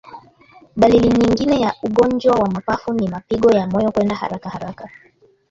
Dalili nyingine ya ugonjwa wa mapafu ni mapigo ya moyo kwenda harakaharaka